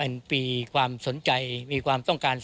มีความสนใจมีความต้องการ